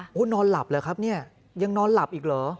โอ้โหนอนหลับเหรอครับเนี่ยยังนอนหลับอีกเหรอ